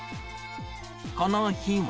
この日は。